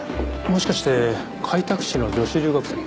もしかして開拓使の女子留学生？